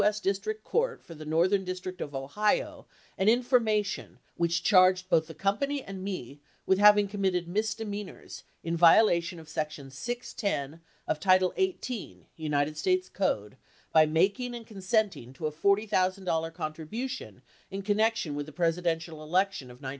S. District Court for the North ern District of Ohio an information which charged both the company and me with having committed misdemeanors in violation of section 610 of title 18, United States Code, by making and consenting to a $40,000 contribution in connec tion with the Presidential election of 1972.